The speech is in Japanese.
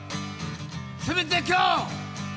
せめて、今日！